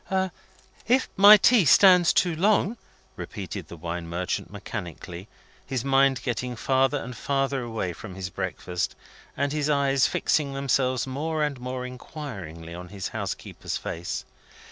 "If my tea stands too long," repeated the wine merchant mechanically, his mind getting farther and farther away from his breakfast, and his eyes fixing themselves more and more inquiringly on his housekeeper's face.